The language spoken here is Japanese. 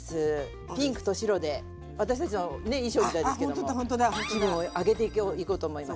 ピンクと白で私たちのね衣装みたいですけども気分をアゲていこうと思います。